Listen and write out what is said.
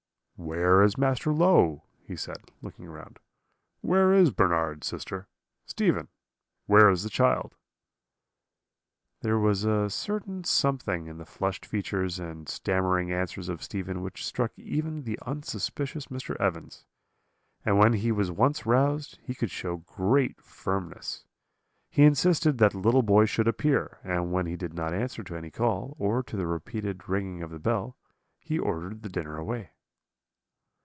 "'Where is Master Low?' he said, looking round. 'Where is Bernard, sister? Stephen, where is the child?' "There was a certain something in the flushed features and stammering answers of Stephen which struck even the unsuspicious Mr. Evans, and when he was once roused he could show great firmness. He insisted that the little boy should appear; and when he did not answer to any call, or to the repeated ringing of the bell, he ordered the dinner away.